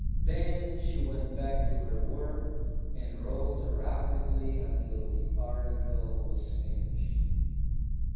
Then she went back to her work and wrote rapidly until the article was finished.